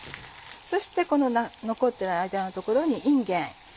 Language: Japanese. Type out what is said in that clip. そして残ってる間の所にいんげん。